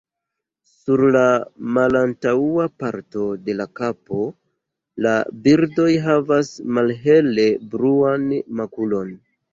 Sur la malantaŭa parto de la kapo la birdoj havas malhele bluan makulon.